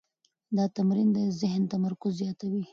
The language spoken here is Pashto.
دا تمرین د ذهن تمرکز زیاتوي.